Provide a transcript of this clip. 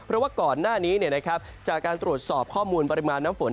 เพราะว่าก่อนหน้านี้จากการตรวจสอบข้อมูลปริมาณน้ำฝน